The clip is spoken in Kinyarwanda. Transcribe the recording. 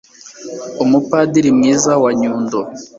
umupadiri mwiza wa nyundo